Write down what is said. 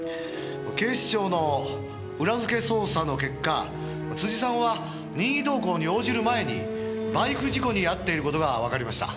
「警視庁の裏づけ捜査の結果辻さんは任意同行に応じる前にバイク事故に遭っている事がわかりました」